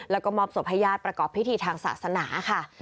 แล้วก็มอบศพให้ญาติประกอบพิธีทางศาสนาค่ะ